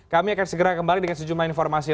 kami akan segera kembali dengan sejumlah informasi